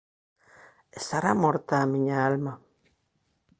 Estará morta a miña alma?